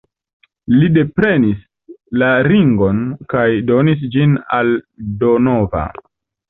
Li deprenis la ringon kaj donis ĝin al Donova.